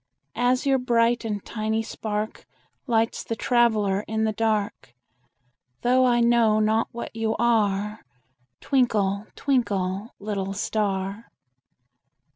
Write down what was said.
As your bright and tiny spark Lights the traveler in the dark, Though I know not what you are, Twinkle, twinkle, little star!